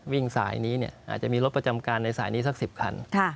วิ่งสายนี้อาจจะมีรถประจำการในสายนี้สัก๑๐คัน